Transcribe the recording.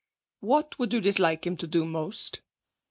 What would you dislike him to do most?'